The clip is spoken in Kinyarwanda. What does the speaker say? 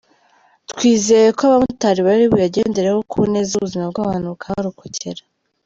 Twizeye ko abamotari bari buyagendereho ku neza, ubuzima bw’abantu bukaharokokera”.